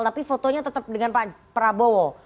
tapi fotonya tetap dengan pak prabowo